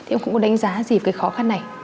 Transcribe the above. em không có đánh giá gì về khó khăn này